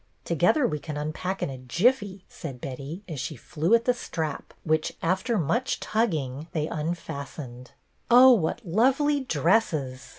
Together we can unpack in a jiffy," said Betty, as she flew at the strap, which, after much tugging, they unfastened. " Oh, what lovely dresses!